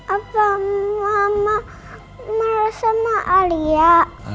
apa mama sama alia